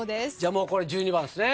もうこれ１２番ですね。